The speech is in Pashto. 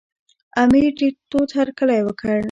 امیر ډېر تود هرکلی وکړ.